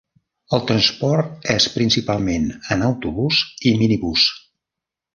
El transport és principalment en autobús i minibús.